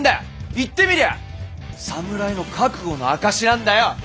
言ってみりゃ侍の覚悟の証しなんだよ！